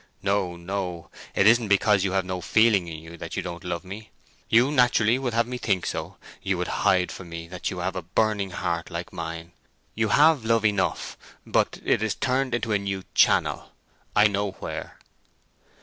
No, no! It isn't because you have no feeling in you that you don't love me. You naturally would have me think so—you would hide from me that you have a burning heart like mine. You have love enough, but it is turned into a new channel. I know where."